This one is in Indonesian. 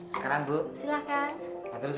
sekarang bu silahkan terus